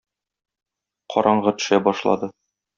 Караңгы төшә башлады.